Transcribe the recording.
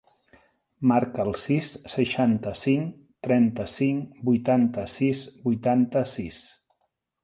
Marca el sis, seixanta-cinc, trenta-cinc, vuitanta-sis, vuitanta-sis.